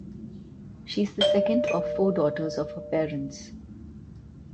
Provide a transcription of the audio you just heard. She is the second of four daughters of her parents.